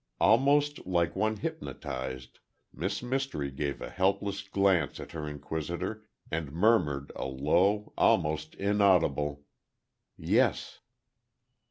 Almost like one hypnotized, Miss Mystery gave a helpless glance at her inquisitor and murmured a low, almost inaudible "yes."